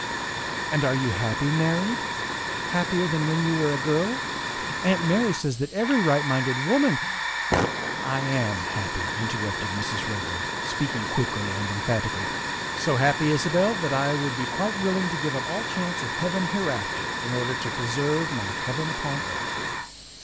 "And you are happy, married? Happier than when you were a girl? Aunt Mary says that every right minded woman "" I am happy," interrupted Mrs. Redmond, speaking quickly and emphatically, " so happy, Isabel, that I would be quite willing to give up all chance of heaven hereafter in order to preserve my heaven upon earth."